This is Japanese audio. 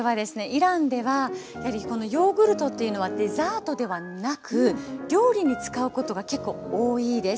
イランではヨーグルトっていうのはデザートではなく料理に使うことが結構多いです。